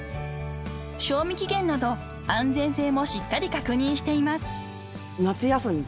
［賞味期限など安全性もしっかり確認しています］